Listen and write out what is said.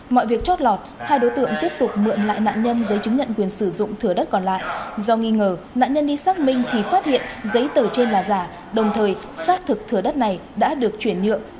mọi việc chót lọt hai đối tượng tiếp tục mượn lại nạn nhân giấy chứng nhận quyền sử dụng thửa đất còn lại do nghi ngờ nạn nhân đi xác minh thì phát hiện giấy tờ trên là giả đồng thời xác thực thừa đất này đã được chuyển nhượng